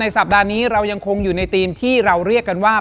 สัปดาห์นี้เรายังคงอยู่ในธีมที่เราเรียกกันว่า